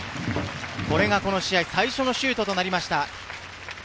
この試合、最初のシュートとなりました。